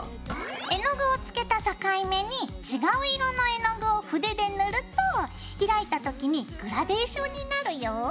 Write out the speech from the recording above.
絵の具をつけた境目に違う色の絵の具を筆で塗ると開いた時にグラデーションになるよ。